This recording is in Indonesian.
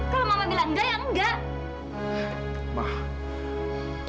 kalau mama bilang enggak ya enggak